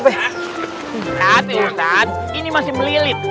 tidak ada apa apa ini masih melilit